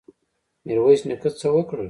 میرویس نیکه څه وکړل؟